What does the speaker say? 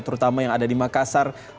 terutama yang ada di makassar